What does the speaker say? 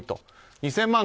２０００万円